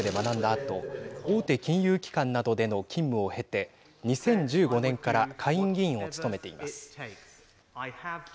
あと大手金融機関などでの勤務を経て２０１５年から下院議員を務めています。